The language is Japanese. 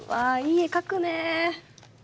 いい絵描くね